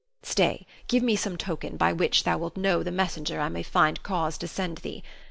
Stay, give me some token, by which thou wilt know the messenger I may find cause to send thee.